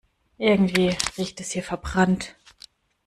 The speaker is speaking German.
Irgendwie riecht es hier verbrannt.